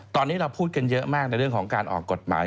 ตอนนี้เราพูดกันเยอะมากในเรื่องของการออกกฎหมาย